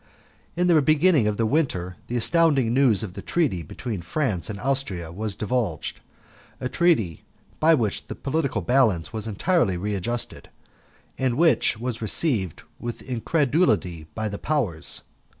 In the beginning of the winter the astounding news of the treaty between France and Austria was divulged a treaty by which the political balance was entirely readjusted, and which was received with incredulity by the Powers.